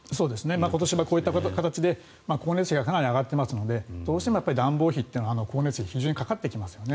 今年はこういった形で光熱費がかなり上がっていますのでどうしても暖房費という光熱費が非常にかかってしまいますよね。